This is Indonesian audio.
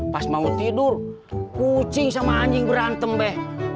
pas mau tidur kucing sama anjing berantem bek